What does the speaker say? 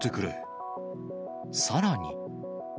さらに。